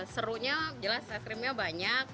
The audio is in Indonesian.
serunya jelas aiskrimnya banyak